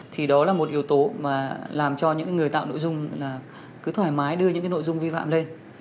thì đó là một yếu tố mà làm cho những người tạo nội dung là cứ thoải mái đưa những cái nội dung vi phạm lên